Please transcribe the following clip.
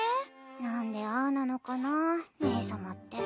なんでああなのかな姉様って。